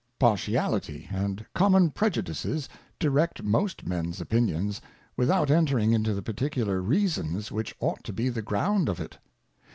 Partiality and Common Prejudices direct most Mens Opinions, without entring into the particular Reasons which ought to be the ground of it.